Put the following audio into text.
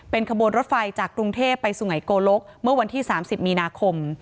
ขบวนรถไฟจากกรุงเทพไปสุงัยโกลกเมื่อวันที่๓๐มีนาคม